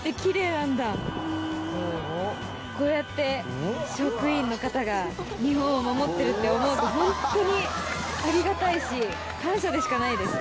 こうやって職員の方が日本を守ってるって思うとホントにありがたいし感謝でしかないです。